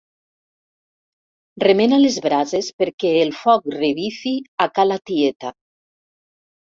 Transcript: Remena les brases perquè el foc revifi a ca la tieta.